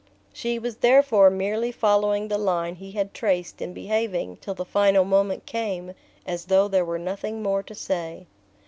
She was therefore merely following the line he had traced in behaving, till the final moment came, as though there were nothing more to say...